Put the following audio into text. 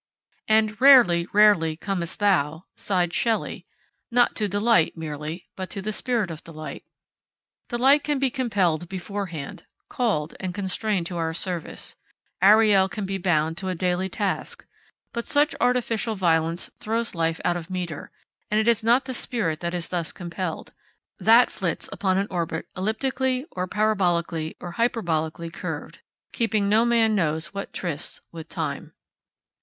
And 'rarely, rarely comest thou,' sighed Shelley, not to Delight merely, but to the Spirit of Delight. Delight can be compelled beforehand, called, and constrained to our service Ariel can be bound to a daily task; but such artificial violence throws life out of metre, and it is not the spirit that is thus compelled. That flits upon an orbit elliptically or parabolically or hyperbolically curved, keeping no man knows what trysts with Time.